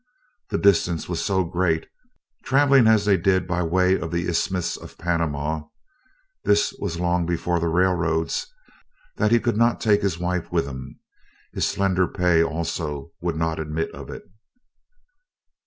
The distance was so great, travelling as they did by way of the Isthmus of Panama (this was long before the railroads), that he could not take his wife with him. His slender pay also would not admit of it.